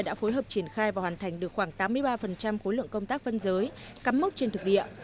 đã phối hợp triển khai và hoàn thành được khoảng tám mươi ba khối lượng công tác phân giới cắm mốc trên thực địa